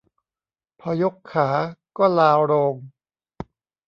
พอยกขาก็ลาโรง